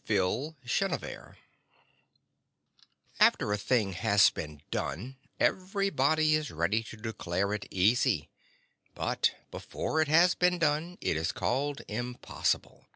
_ IT COULDN'T BE DONE After a thing has been done, everybody is ready to declare it easy. But before it has been done, it is called impossible.